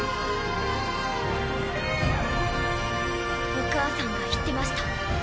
お母さんが言ってました。